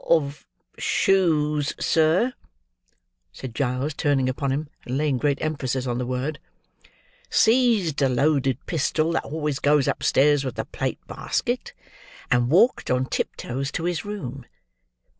"—Of shoes, sir," said Giles, turning upon him, and laying great emphasis on the word; "seized the loaded pistol that always goes upstairs with the plate basket; and walked on tiptoes to his room.